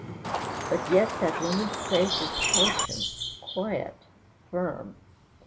But yet that woman's face is patient, quiet, firm.